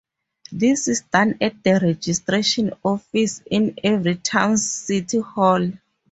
This is done at the registration office in every town's city hall.